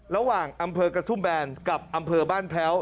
ระหว่างอำเภอกระทุ่มแบนกับอำเภอบ้านแพ้ว